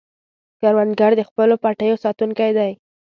کروندګر د خپلو پټیو ساتونکی دی